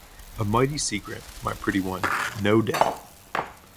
A mighty secret, my pretty one, no doubt!